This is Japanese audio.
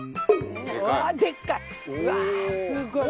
うわーすごい！